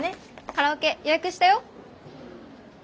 カラオケ予約したよ。